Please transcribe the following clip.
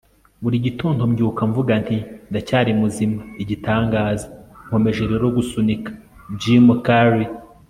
buri gitondo, mbyuka mvuga nti, ndacyari muzima, igitangaza. nkomeje rero gusunika. jim carrey